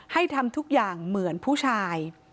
ให้ทำทุกอย่างเหมือนผู้ชาย